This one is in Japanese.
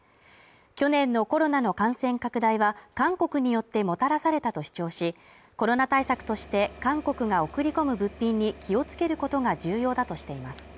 去年のコロナの感染拡大は韓国によってもたらされたと主張し、コロナ対策として、韓国が送り込む物品に気をつけることが重要だとしています。